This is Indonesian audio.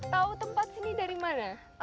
tahu tempat sini dari mana